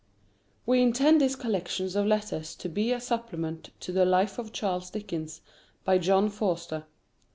We intend this Collection of Letters to be a Supplement to the "Life of Charles Dickens," by John Forster.